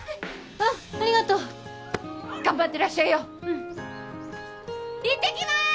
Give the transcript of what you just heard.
あっありがとう頑張ってらっしゃいようん行ってきます！